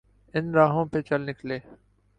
ان راہوں پہ چل نکلے۔